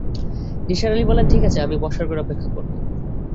নিসার আলি বললেন, ঠিক আছে, আমি বসার ঘরে অপেক্ষা করব।